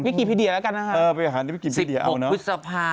วิกิพิเทียละกันเข้าเลยตรงไหม